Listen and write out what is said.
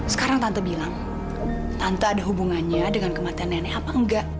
sekarang tante bilang tante ada hubungannya dengan kematian nenek apa enggak